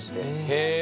へえ。